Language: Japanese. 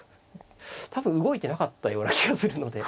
多分動いてなかったような気がするので。